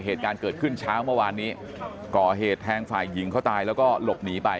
เหตุการณ์เกิดขึ้นเช้าเมื่อวานนี้ก่อเหตุแทงฝ่ายหญิงเขาตายแล้วก็หลบหนีไป